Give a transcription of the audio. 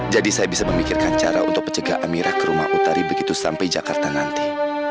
jadi saya bisa memikirkan cara untuk mencegah amirah ke rumah utari begitu sampai jakarta nanti